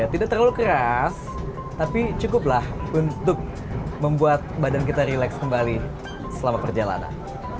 tidak terlalu keras tapi cukuplah untuk membuat badan kita relax kembali selama perjalanan